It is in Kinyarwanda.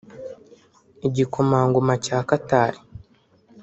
Igikomangoma cya Qatar